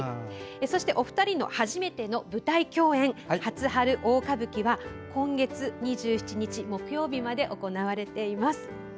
そしてお二人の初めての舞台共演初春大歌舞伎は今月２７日木曜日まで行われています。